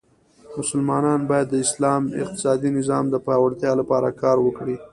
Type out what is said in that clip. مسلمانان باید د اسلام اقتصادې نظام د پیاوړتیا لپاره کار وکړي.